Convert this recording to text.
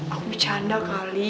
aku bercanda kali